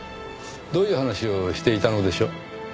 どういう話をしていたのでしょう？